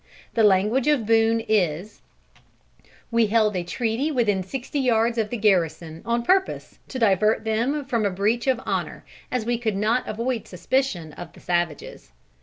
The language of Boone is: "We held a treaty within sixty yards of the garrison on purpose to divert them from a breach of honor, as we could not avoid suspicion of the savages."